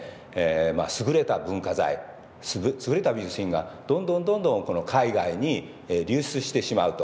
優れた文化財優れた美術品がどんどんどんどん海外に流出してしまうと。